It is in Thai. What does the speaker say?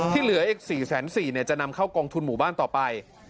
เหลืออีก๔๔๐๐บาทจะนำเข้ากองทุนหมู่บ้านต่อไป